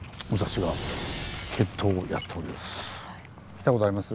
来た事あります？